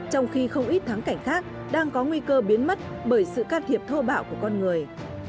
trong khi không ít thắng cảnh khác đang có nguy cơ biến mất bởi sự can thiệp thô bạo của con người